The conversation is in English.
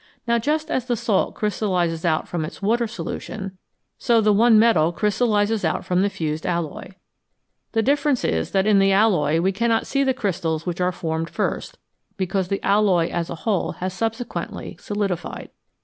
Now just as the salt crystallises out from its water solution, so the one metal FROM SOLUTIONS TO CRYSTALS crystallises out from the fused alloy. The difference is that in the alloy we cannot see the crystals which were formed first, because the alloy as a whole has subsequently solidified.